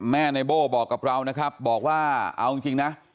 แม่ในโบบอกกับ้าวนะครับบอกว่าเอาจริง